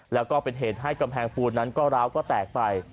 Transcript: และเป็นเหตุก็ร้าวก็แตกไป